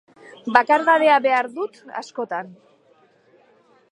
Bakardadea behar dut, askotan.